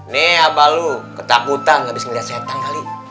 nih apa lo ketakutan abis ngeliat setan kali